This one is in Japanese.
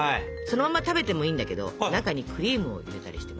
そのまま食べてもいいんだけど中にクリームを入れたりして。